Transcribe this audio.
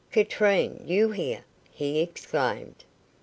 "Katrine, you here?" he exclaimed.